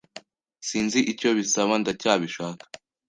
Sinzi icyo bisaba. Ndacyabishaka.